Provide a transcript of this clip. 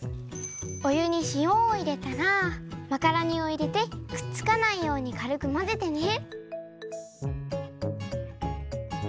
おゆにしおをいれたらマカロニをいれてくっつかないようにかるくまぜてね。